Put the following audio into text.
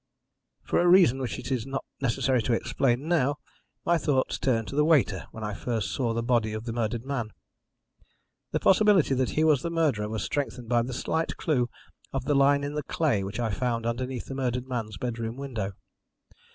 "For a reason which it is not necessary to explain now, my thoughts turned to the waiter when I first saw the body of the murdered man. The possibility that he was the murderer was strengthened by the slight clue of the line in the clay which I found underneath the murdered man's bedroom window.